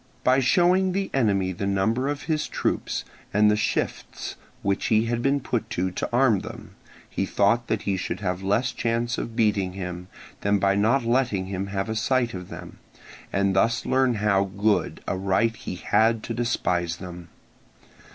By showing the enemy the number of his troops, and the shifts which he had been put to to to arm them, he thought that he should have less chance of beating him than by not letting him have a sight of them, and thus learn how good a right he had to despise them.